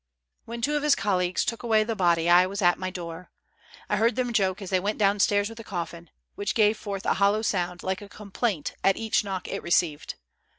When two of his colleagues took away the body, I was at my door. I heard them joke as they went down stairs with the coffin, which gave forth a hollow sound like a complaint at each knock it received.